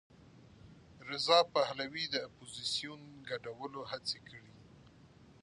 رضا پهلوي د اپوزېسیون ګډولو هڅې کړي.